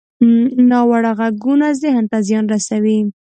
ناوړه غږونه ذهن ته زیان رسوي